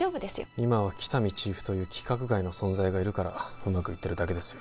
今は喜多見チーフという規格外の存在がいるからうまくいってるだけですよ